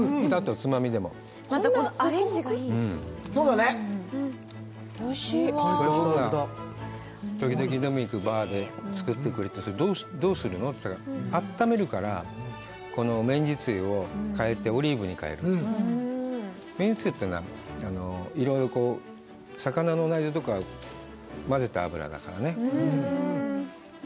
つまみでもまたこのアレンジがいいそうだねおいしい時々飲みに行くバーで作ってくれてそれどうするの？って温めるからこの綿実油をオリーブに替える綿実油ってのはいろいろこう魚の内臓とか混ぜた油だからねで